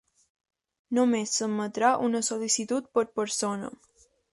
Només s'admetrà una sol·licitud per persona.